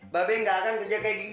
babi nggak akan kerja kayak gini lagi